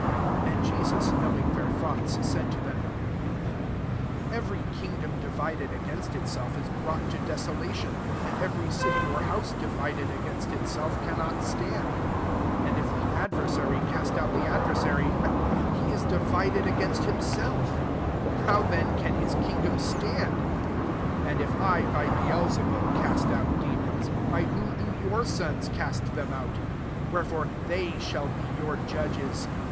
"* 35 And Jesus knowing their thoughts, said to them, " Every kingdom divided against itself is brought to desolation ; and every city or house divided against itself cannot stand. 26 And if the adversary cast out the adversary, he is divided against himself: how then can his kingdom stand ? 27 And if I by Beelzebub cast out demons, by whom do your sons cast them out ? wherefore they shall be your judges.